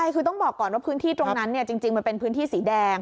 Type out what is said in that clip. คือต้องบอกก่อนว่าพื้นที่ตรงนั้นจริงมันเป็นพื้นที่สีแดง